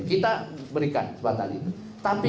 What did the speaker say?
kita berikan kesempatan itu tapi